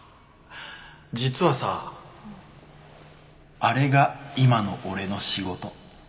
実はさあれが今の俺の仕事。